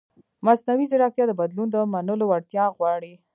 مصنوعي ځیرکتیا د بدلون د منلو وړتیا غواړي.